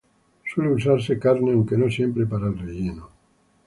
Suele usarse carne, aunque no siempre, para el relleno.